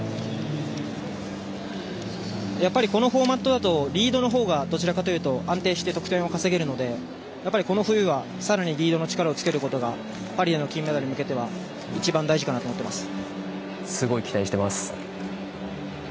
やっぱりこのフォーマットだとリードの方がどちらかというと安定して得点が稼げるのでやっぱり、この冬は、さらにリードの力をつけることがパリでの金メダルに向けては一番、大事かなと思っています。